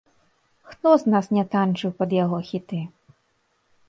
Хто з нас не танчыў пад яго хіты?